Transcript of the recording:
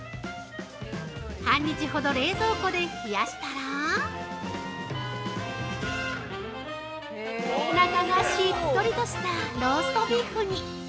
半日ほど冷蔵庫で冷やしたら中がしっとりとしたローストビーフに。